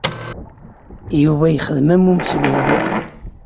Yuba yexdem am umeslub.